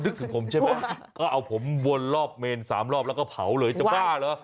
ถึงผมใช่ไหมก็เอาผมวนรอบเมน๓รอบแล้วก็เผาเลยจะบ้าเหรอ